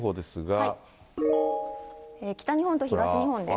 北日本と東日本です。